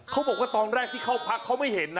เขาบอกว่าตอนแรกที่เข้าพักเขาไม่เห็นนะ